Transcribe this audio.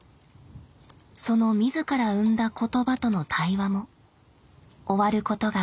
その自ら生んだ言葉との対話も終わることがありません。